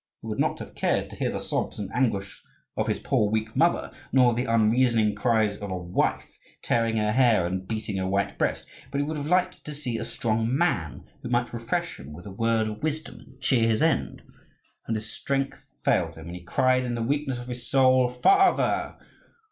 He would not have cared to hear the sobs and anguish of his poor, weak mother, nor the unreasoning cries of a wife, tearing her hair and beating her white breast; but he would have liked to see a strong man who might refresh him with a word of wisdom, and cheer his end. And his strength failed him, and he cried in the weakness of his soul, "Father!